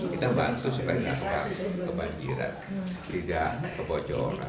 kita bantu supaya dilakukan kebanjiran tidak kebocoran